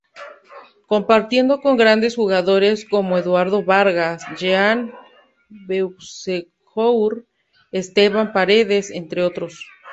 Compartiendo con grandes jugadores como Eduardo Vargas, Jean Beausejour, Esteban Paredes, entre otros.